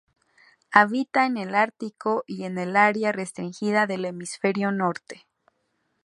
Habita en el ártico y en un área restringida del hemisferio norte.